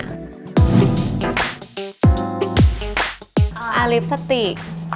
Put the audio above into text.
อ่าลิปสติก